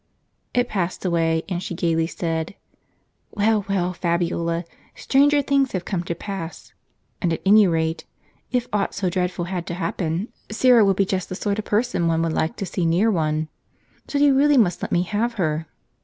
It passed away, and she gaily said, "Well, well, Fabiola, stranger things have come to pass; and at any rate, if aught so dreadful had to happen, Syra would just be the sort of person one would like to see near one ; so you really must let me have her."